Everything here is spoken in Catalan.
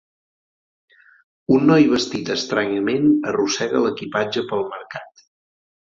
Un noi vestit estranyament arrossega l'equipatge pel mercat